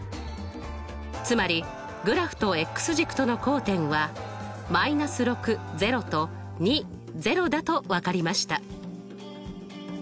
つまりグラフと軸との交点はとだと分かりました。